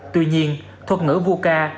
tuy nhiên thuật ngữ vuca